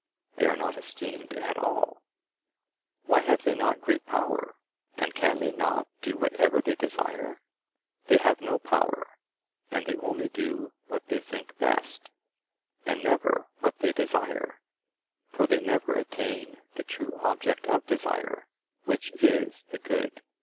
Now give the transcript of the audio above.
They are not esteemed at all. "Why, have they not great power, and can they not do whatever they desire?" They have no power, and they only do what they think best, and never what they desire; for they never attain the true object of desire, which is the good.